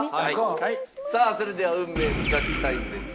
さあそれでは運命のジャッジタイムです。